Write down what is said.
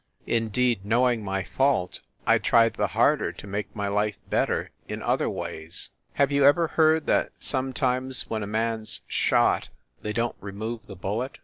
Indeed, knowing my fault, I tried the harder to make my life better in other ways. Have you ever heard that sometimes, when a man s shot, they don t remove the bullet?